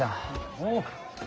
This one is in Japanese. おう。